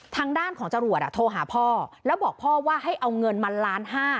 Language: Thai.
ทางด้านของจรวดโทรหาพ่อแล้วบอกพ่อว่าให้เอาเงินมาล้านห้า